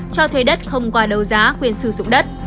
cho thuê đất không qua đấu giá quyền sử dụng đất